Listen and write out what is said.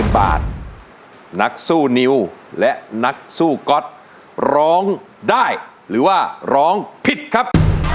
นักสู้นิวและนักสู้ก๊อตร้องได้หรือว่าร้องผิดครับ